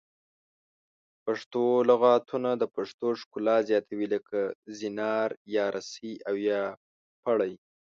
پښتو لغتونه د پښتو ښکلا زیاتوي لکه زنار یا رسۍ او یا پړی